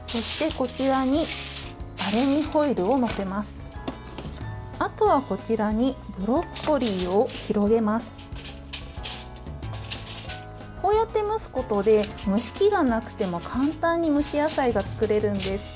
こうやって蒸すことで蒸し器がなくても簡単に蒸し野菜が作れるんです。